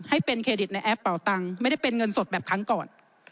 ให้เป็นเครดิตในแอปเป่าตังค์ไม่ได้เป็นเงินสดแบบครั้งก่อน